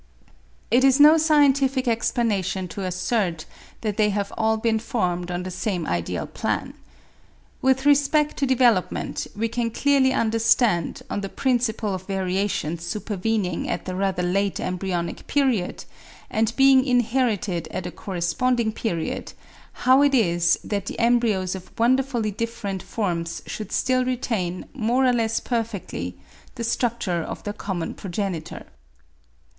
It is no scientific explanation to assert that they have all been formed on the same ideal plan. With respect to development, we can clearly understand, on the principle of variations supervening at a rather late embryonic period, and being inherited at a corresponding period, how it is that the embryos of wonderfully different forms should still retain, more or less perfectly, the structure of their common progenitor.